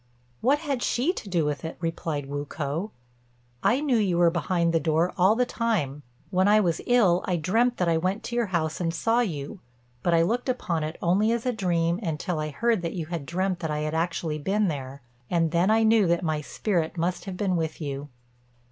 "What had she to do with it?" replied Wu k'o; "I knew you were behind the door all the time. When I was ill I dreamt that I went to your house and saw you, but I looked upon it only as a dream until I heard that you had dreamt that I had actually been there, and then I knew that my spirit must have been with you."